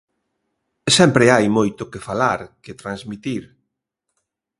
Sempre hai moito que falar, que transmitir.